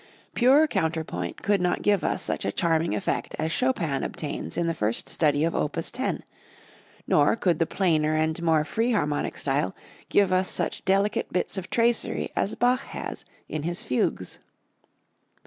Pure counterpoint could not give us such a charming effect as Chopin obtains in the first study of Opus 10; nor could the plainer and more free harmonic style give us such delicate bits of tracery as Bach has in his fugues.